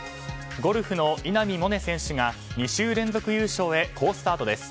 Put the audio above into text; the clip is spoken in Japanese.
ゴルフの稲見萌寧選手が２週連続優勝へ好スタートです。